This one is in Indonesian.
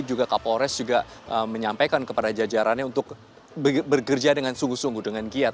juga kapolres juga menyampaikan kepada jajarannya untuk bekerja dengan sungguh sungguh dengan giat